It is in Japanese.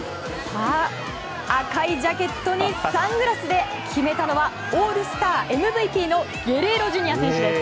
赤いジャケットにサングラスで決めたのはオールスターＭＶＰのゲレーロＪｒ．選手です。